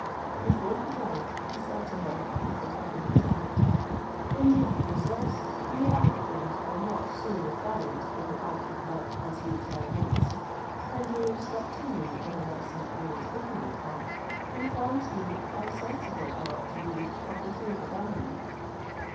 Before he drank, he said to her, with the cup in his hand, "Indeed, princess, we Africans are not so refined in the art of love as you Chinese: and your instructing me in a lesson I was ignorant of, informs me how sensible I ought to be of the favour done me.